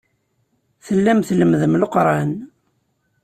Tellam tlemmdem Leqran.